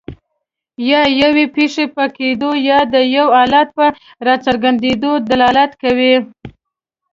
یا یوې پېښې په کیدو یا د یو حالت په راڅرګندیدو دلالت کوي.